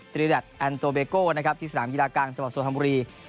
ตรีแดดแอนโตเบโก้นะครับที่สนามยีราคังจังหวัดสวนธรรมดี